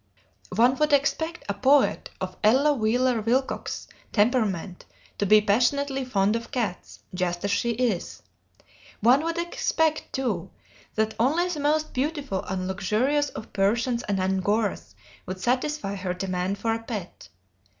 One would expect a poet of Ella Wheeler Wilcox's temperament to be passionately fond of cats, just as she is. One would expect, too, that only the most beautiful and luxurious of Persians and Angoras would satisfy her demand for a pet.